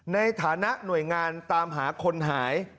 ในฐานะหน่วยงานตามหาคนหาย